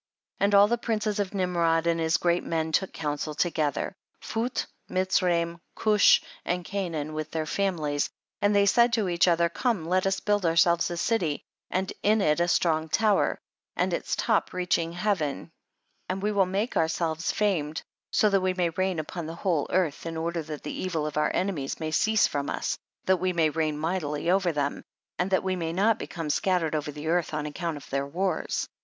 21. And all the princes of Nimrod and his great men took counsel to gether ; Phut, Mitzraim, Gush and Canaan with their families, and they said to each other, come let us build ourselves a city and in it a strong tower, and its top reaching heaven, and we will make ourselves famed, so that we may reign upon the whole world, in order that the evil of our enemies may cease from us, that we may reign mightily over them, and that we may not become scattered over the earth on account of their wars.